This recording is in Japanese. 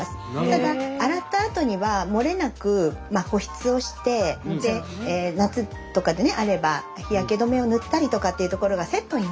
ただ洗ったあとには漏れなく保湿をして夏とかであれば日焼け止めを塗ったりとかというところがセットになってくるので。